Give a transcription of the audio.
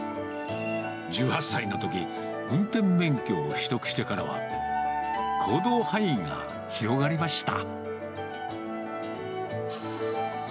１８歳のとき、運転免許を取得してからは、行動範囲が広がりました。